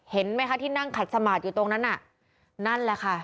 เห็นไหมคะที่นั่งขัดสมาร์ทอยู่ตรงนั้นน่ะนั่นแหละค่ะ